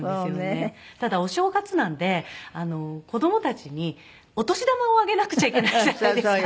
ただお正月なので子供たちにお年玉をあげなくちゃいけないじゃないですか。